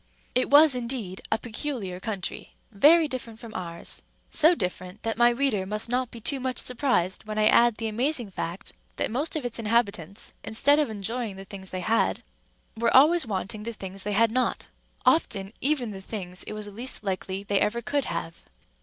It was, indeed, a peculiar country, very different from ours—so different, that my reader must not be too much surprised when I add the amazing fact, that most of its inhabitants, instead of enjoying the things they had, were always wanting the things they had not, often even the things it was least likely they ever could have.